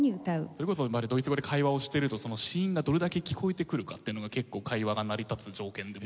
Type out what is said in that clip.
それこそドイツ語で会話をしていると子音がどれだけ聞こえてくるかっていうのが結構会話が成り立つ条件でもあって。